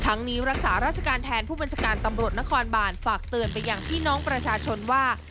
นี้รักษาราชการแทนผู้บัญชาการตำรวจนครบานฝากเตือนไปอย่างพี่น้องประชาชนว่า